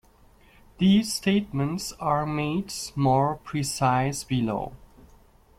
These statements are made more precise below.